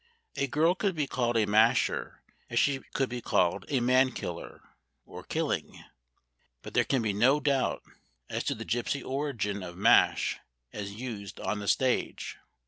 A girl could be called a masher as she could be called a man killer, or killing. But there can be no doubt as to the gypsy origin of "mash" as used on the stage.